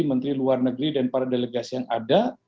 menteri luar negeri dan para delegasi yang ada